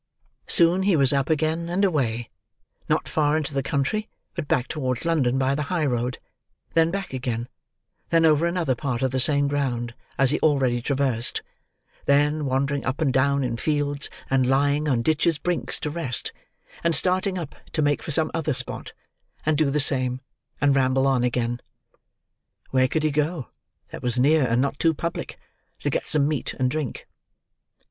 Soon he was up again, and away,—not far into the country, but back towards London by the high road—then back again—then over another part of the same ground as he already traversed—then wandering up and down in fields, and lying on ditches' brinks to rest, and starting up to make for some other spot, and do the same, and ramble on again. Where could he go, that was near and not too public, to get some meat and drink?